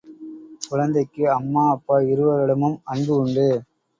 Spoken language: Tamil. குழந்தைக்கு அம்மா, அப்பா இருவரிடமும் அன்பு உண்டு.